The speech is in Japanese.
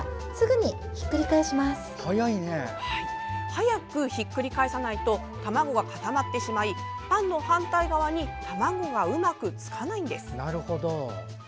早くひっくり返さないと卵が固まってしまいパンの反対側に卵がうまくつかないんです。